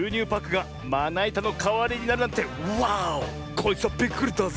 こいつはびっくりだぜ！